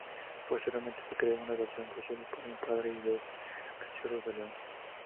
Posteriormente se creó una versión posterior para un padre y dos cachorros de león.